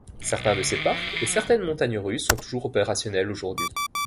Certains de ces parcs et certaines montagnes russes sont toujours opérationnels aujourd'hui.